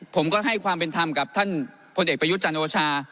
ผมก็ให้ความเป็นธรรมกับท่านพลเอกประยุทธ์จันทร์โอชา